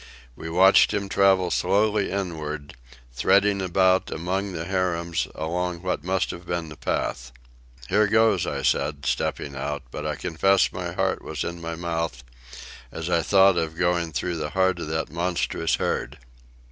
We watched him travel slowly inward, threading about among the harems along what must have been the path. "Here goes," I said, stepping out; but I confess my heart was in my mouth as I thought of going through the heart of that monstrous herd.